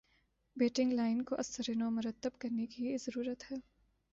batting line کو ازسر نو مرتب کرنے کی ضرورت ہے